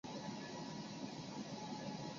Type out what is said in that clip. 实施域名抢注的人亦被称为网路蟑螂。